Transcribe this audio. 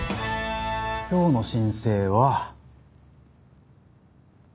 今日の申請は。